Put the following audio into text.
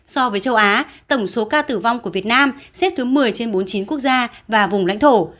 so với châu á tổng số ca tử vong của việt nam xếp thứ một mươi trên bốn mươi chín quốc gia và vùng lãnh thổ